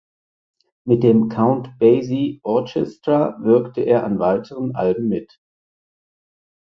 Mit dem "Count Basie Orchestra" wirkte er an weiteren Alben mit.